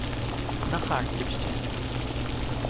на Харківщині